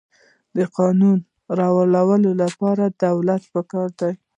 د قانون د ورانولو لپاره دولت پکار دی.